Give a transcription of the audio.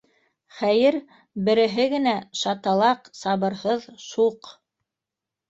Хәйер, береһе генә шаталаҡ, сабырһыҙ, шуҡ.